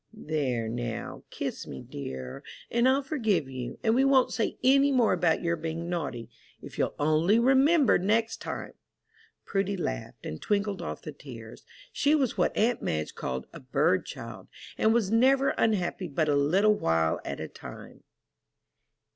There, now, kiss me, dear, and I'll forgive you, and we won't say any more about your being naughty, if you'll only remember next time." Prudy laughed, and twinkled off the tears. She was what aunt Madge called a "bird child," and was never unhappy but a little while at a time.